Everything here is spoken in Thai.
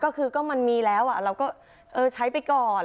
ก็คือก็มันมีแล้วเราก็ใช้ไปก่อน